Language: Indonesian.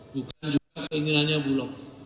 bukan juga keinginannya bulog